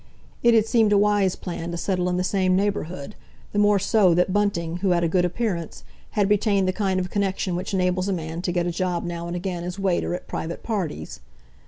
It had seemed a wise plan to settle in the same neighbourhood, the more so that Bunting, who had a good appearance, had retained the kind of connection which enables a man to get a job now and again as waiter at private parties.